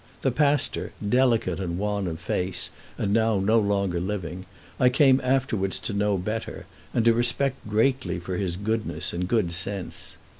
The pastor, delicate and wan of face, and now no longer living, I came afterwards to know better, and to respect greatly for his goodness and good sense.